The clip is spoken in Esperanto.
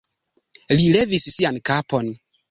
Li levis sian kapon.